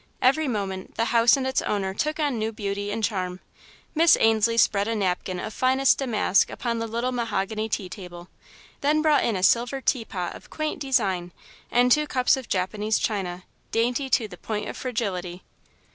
Every moment, the house and its owner took on new beauty and charm. Miss Ainslie spread a napkin of finest damask upon the little mahogany tea table, then brought in a silver teapot of quaint design, and two cups of Japanese china, dainty to the point of fragility.